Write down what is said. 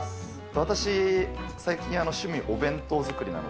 私、最近、趣味、お弁当作りなの